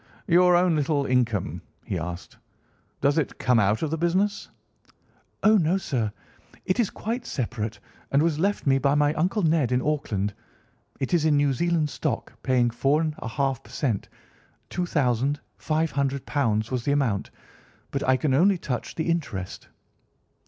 "Your own little income," he asked, "does it come out of the business?" "Oh, no, sir. It is quite separate and was left me by my uncle Ned in Auckland. It is in New Zealand stock, paying 4½ per cent. Two thousand five hundred pounds was the amount, but I can only touch the interest."